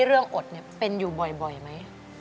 เรื่องอดเนี่ยเป็นอยู่บ่อยไหม